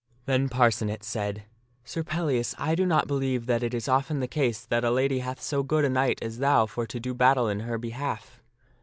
Then Parcenet said, " Sir Pellias, I do not believe that it is often the case that a lady hath so good a knight as thou for to do battle in her behalf."